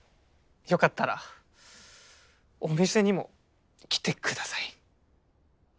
よかったらお店にも来てください。